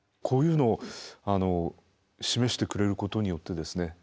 こういうのを示してくれることによってですね